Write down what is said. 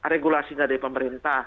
regulasinya dari pemerintah